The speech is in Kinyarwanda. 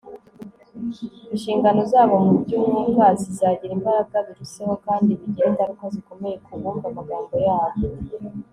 inshingano zabo mu by'umwuka zizagira imbaraga biruseho, kandi bigire ingaruka zikomeye ku bumva amagambo yabo